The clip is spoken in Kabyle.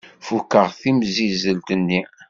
Fukeɣ timsizzelt-nni.